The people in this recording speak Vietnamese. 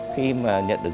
khi mà nhận được